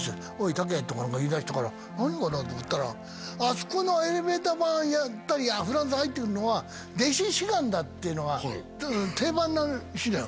タケ」とか言いだしたから何かな？と思ったらあそこのエレベーター番やったりフランス座入ってくるのは弟子志願だっていうのが定番らしいんだよ